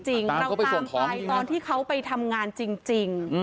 เราตามไปตอนที่เขาไปทำงานจริง